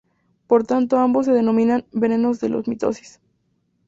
Por tanto ambos se denominan "venenos de la mitosis".